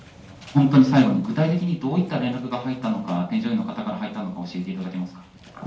具体的にどういった連絡が添乗員の方から入ったのか、教えていただけますか。